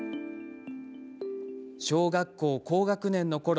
小学校高学年のころ